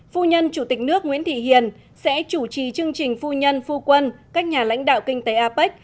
phu nhân chủ tịch nước nguyễn thị hiền sẽ chủ trì chương trình phu nhân phu quân các nhà lãnh đạo kinh tế apec